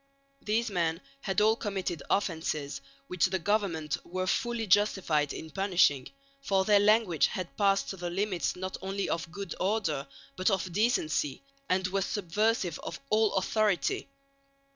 These men had all committed offences which the government were fully justified in punishing, for their language had passed the limits not only of good order but of decency, and was subversive of all authority.